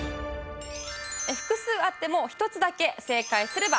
複数あっても１つだけ正解すればオッケーです。